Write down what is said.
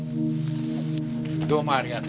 どうもありがとう。